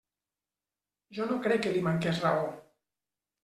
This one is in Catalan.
Jo no crec que li manqués raó.